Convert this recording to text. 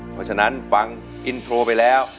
เพราะฉะนั้นฟังอินโทรไปแล้ว